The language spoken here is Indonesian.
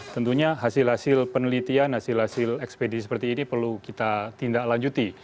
tentunya hasil hasil penelitian hasil hasil ekspedisi seperti ini perlu kita tindak lanjuti